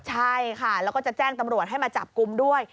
ใช่ค่ะแล้วก็จะแจ้งตำรวจให้มาจับกลุ่มด้วย